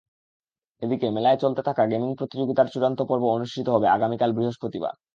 এদিকে, মেলায় চলতে থাকা গেমিং প্রতিযোগিতার চূড়ান্ত পর্ব অনুষ্ঠিত হবে আগামীকাল বৃহস্পতিবার।